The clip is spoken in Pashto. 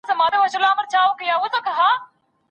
له منکراتو څخه ډډه کول کوم شرعي ارزښت لري؟